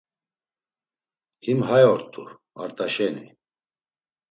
Him hay ort̆u, Art̆aşeni.